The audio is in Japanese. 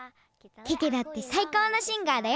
ケケだってさいこうのシンガーだよ。